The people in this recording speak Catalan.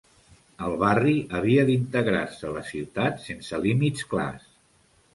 El barri havia d'integrar-se a la ciutat sense límits clars.